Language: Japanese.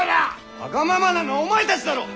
わがままなのはお前たちだろう！